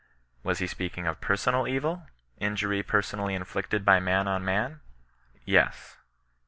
Was he speaking of personal evil, injury personally inflicted by man on man ? Yes.